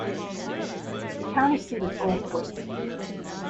The county seat is Goldthwaite.